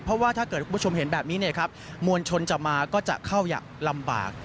เพราะว่าถ้าเกิดคุณผู้ชมเห็นแบบนี้เนี่ยครับมวลชนจะมาก็จะเข้าอย่างลำบาก